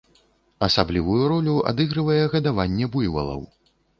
Асаблівую ролю адыгрывае гадаванне буйвалаў.